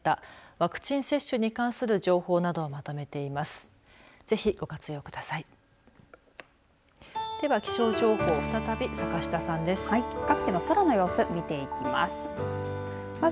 ワクチン接種に関する情報などをまとめています。